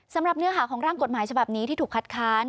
เนื้อหาของร่างกฎหมายฉบับนี้ที่ถูกคัดค้าน